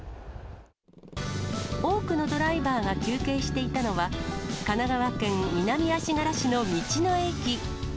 多くのドライバーが休憩していたのは、神奈川県南足柄市の道の駅。